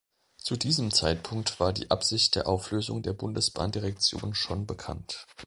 Zu diesem Zeitpunkt war die Absicht der Auflösung der Bundesbahndirektion schon bekannt.